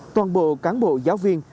toàn bộ cán bộ giáo viên